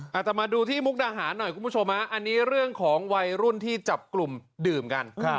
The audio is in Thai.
อาจจะมาดูที่มุกดาหารหน่อยคุณผู้ชมฮะอันนี้เรื่องของวัยรุ่นที่จับกลุ่มดื่มกัน